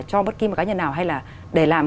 cho bất kỳ một cá nhân nào hay là để làm